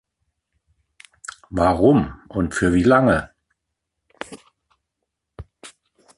Warum und für wie lange?